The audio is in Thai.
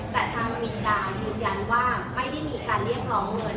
แต่ทางมินดายืนยันว่าไม่ได้มีการเรียกร้องเงิน